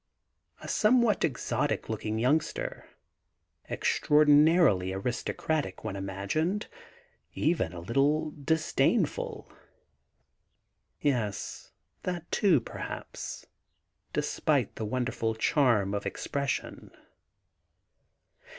A somewhat exotic looking youngster, extraordinarily aristocratic one im agined, even a little disdainful, — yes, that too, perhaps, despite the wonderful charm of expression.